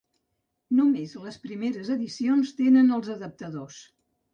Només les primeres edicions tenen els adaptadors.